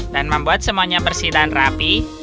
dan membuat semuanya bersih dan rapi